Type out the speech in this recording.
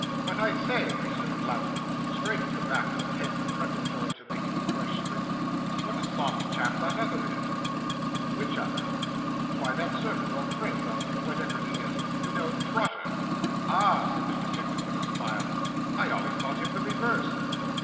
'But I say,' resumed Lowten, scraping the back of the pen preparatory to making a fresh split, 'what a soft chap that other is!' 'Which other?' 'Why, that servant, or friend, or whatever he is; you know, Trotter.' 'Ah!' said Mr. Pickwick, with a smile. 'I always thought him the reverse.